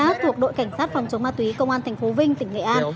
tổ công tác thuộc đội cảnh sát phòng chống ma túy công an tp vinh tỉnh nghệ an